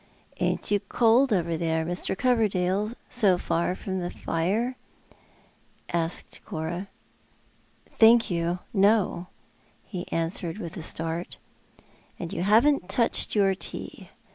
" Ain't you cold over there, Mr. Coverdale, so far from the fire ?" asked Cora. " Thank you, no," he answered, with a start. "And you haven't touched your tea.